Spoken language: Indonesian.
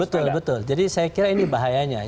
betul betul jadi saya kira ini bahayanya